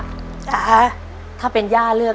ปีหน้าหนูต้อง๖ขวบให้ได้นะลูก